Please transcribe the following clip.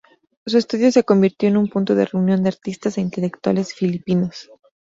Su estudió se convirtió en un punto de reunión de artistas e intelectuales filipinos.